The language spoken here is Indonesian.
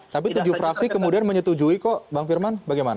tapi tujuh fraksi kemudian menyetujui kok bang firman bagaimana